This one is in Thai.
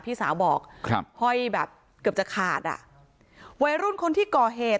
พี่สาวบอกครับห้อยแบบเกือบจะขาดอ่ะวัยรุ่นคนที่ก่อเหตุ